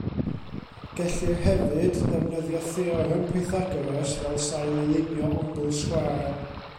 Gellir, hefyd, ddefnyddio Theorem Pythagoras fel sail i lunio ongl sgwâr.